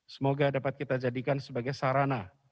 semoga dapat kita jadikan sebagai sarana